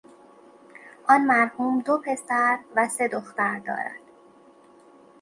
آن مرحوم دو پسر و سه دختر دارد.